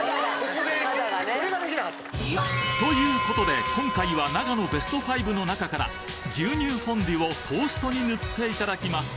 ということで今回は長野ＢＥＳＴ５の中から牛乳フォンデュをトーストに塗っていただきます